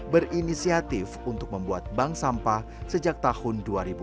berinisiatif untuk membuat bank sampah sejak tahun dua ribu empat belas